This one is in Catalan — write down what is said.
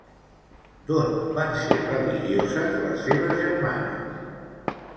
D'on van ser religioses les seves germanes?